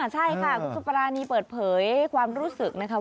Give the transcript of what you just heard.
ใช่ค่ะคุณสุปรานีเปิดเผยความรู้สึกนะคะ